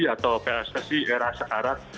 atau pssi era sekarang